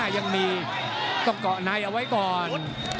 ๒๓๔๕ยังมีก็เกาะในเอาไว้ก่อน